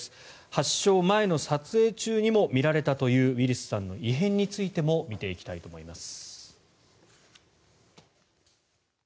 発症前の撮影中にも見られたというウィリスさんの異変についても見ていきたいと思います。